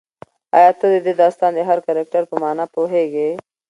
ایا ته د دې داستان د هر کرکټر په مانا پوهېږې؟